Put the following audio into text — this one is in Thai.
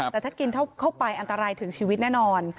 แต่ถ้ากินเข้าไปอันตรายถึงชีวิตแน่นอน